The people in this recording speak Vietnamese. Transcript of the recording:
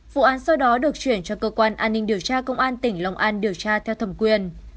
vụ án sau đó được chuyển cho cơ quan an ninh điều tra công an tỉnh lòng an điều tra theo thẩm quyền